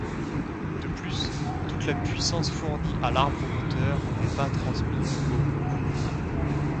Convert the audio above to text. De plus, toute la puissance fournie à l'arbre moteur n'est pas transmise aux roues.